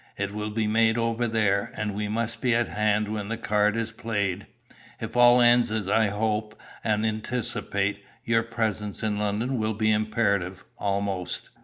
It will be made over there, and we must be at hand when the card is played. If all ends as I hope and anticipate, your presence in London will be imperative, almost.